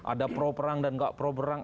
ada pro perang dan nggak pro perang